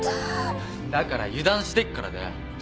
だから油断してっからだよ。